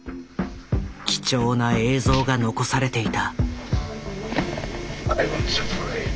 貴重な映像が残されていた。